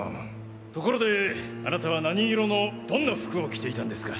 ところであなたは何色のどんな服を着ていたんですか？